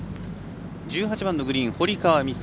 １８番、グリーン堀川未来